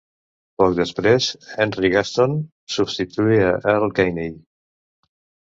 Poc després, Henry Gaston substituí a Earl Gainey.